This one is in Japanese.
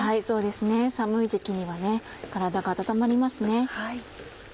そうですね寒い時期には体が温まります。